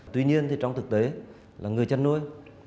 tuy nhiên trong thực tế người chăn nuôi